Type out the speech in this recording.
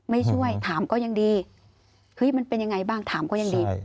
ไม่ช่วยถามก็ยังดีเฮ้ยมันเป็นยังไงบ้างถามก็ยังดี